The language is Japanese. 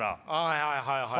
はいはいはい。